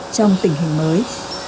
trong tình hình mới